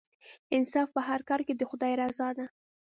انصاف په هر کار کې د خدای رضا ده.